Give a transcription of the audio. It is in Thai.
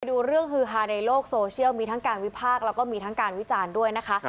ดูเรื่องฮือฮาในโลกโซเชียลมีทั้งการวิพากษ์แล้วก็มีทั้งการวิจารณ์ด้วยนะคะ